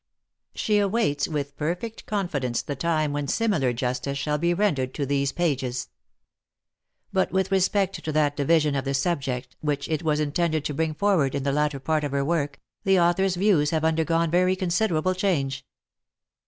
She awaits with perfect confidence the time when similar justice shall be rendered to these pages. But with respect to that division of the subject which it was in tended to bring forward in the latter part of her work, the author's views have undergone very considerable change.